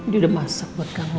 dia udah masak buat kamu